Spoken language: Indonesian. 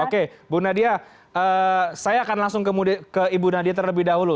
oke bu nadia saya akan langsung ke ibu nadia terlebih dahulu